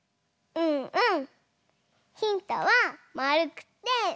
うんうん。